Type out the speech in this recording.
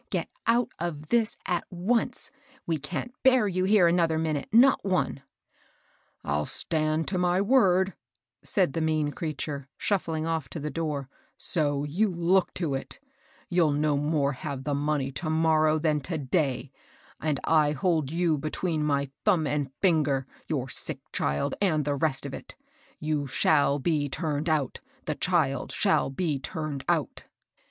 Get out of this at once, — we can't bear you here another minute, — not one 1 "" I'll stand to my word," said the mean creature. ANOTHER VISITOR. 333 shuffling off to the door; "so you look to it! You'll no more have the money to morrow than to day, and I hold you between my thumb and finger, your sick child and the rest of it. You shall be turned out ;— the child shall be turned out."